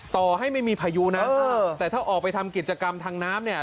ต่อให้ไม่มีพายุนะแต่ถ้าออกไปทำกิจกรรมทางน้ำเนี่ย